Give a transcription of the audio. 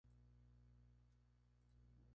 Fue Director de la revista Fútbol Profesional.